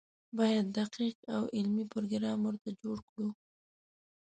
باید دقیق او علمي پروګرام ورته جوړ کړو.